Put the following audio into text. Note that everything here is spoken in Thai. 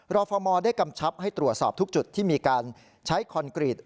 ฟอร์มได้กำชับให้ตรวจสอบทุกจุดที่มีการใช้คอนกรีต